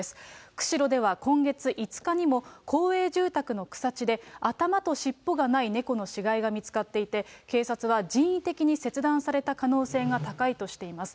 釧路では今月５日にも、公営住宅の草地で頭と尻尾がない猫の死骸が見つかっていて、警察は人為的に切断された可能性が高いとしています。